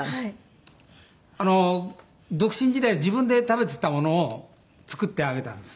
あの独身時代自分で食べてたものを作ってあげたんです。